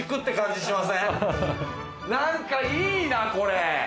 何かいいなこれ！